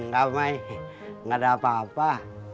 gak mai gak ada apa apa